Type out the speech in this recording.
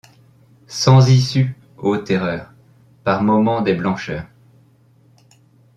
Sans issue, ô terreur ! par moment des blancheurs